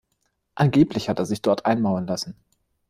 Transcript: Angeblich hat er sich dort einmauern lassen.